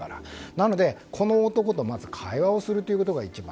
なので、この男とまず会話をするというのが一番。